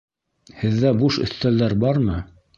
Һеҙҙә буш өҫтәлдәр бармы?